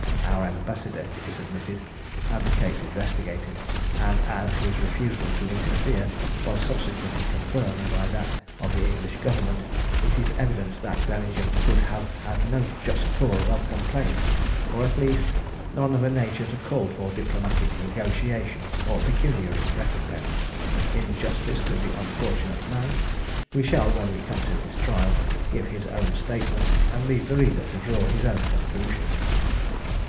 Our ambassador, it is admitted, had the case investigated; and as his refusal to interfere was subsequently confirmed by that of the English Government, it is evident that Bellingham could have had no just cause of complaint, or, at least, none of a nature to call for diplomatic negotiation or pecuniary recompense. In justice to the unfortunate man, we shall, when we come to his trial, give his own statement, and leave the reader to draw his own conclusion.